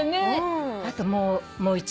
あともう一羽。